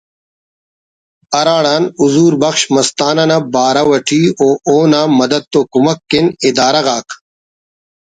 ہراڑان حضور بخش مستانہ نا بارو اٹی و اونا مدت و کمک کن ادارہ غاک